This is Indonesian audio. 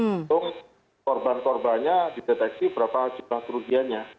untung korban korbannya disertifikasi